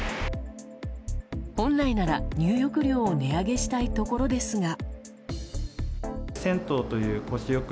本来なら、入浴料を値上げしたいところですが。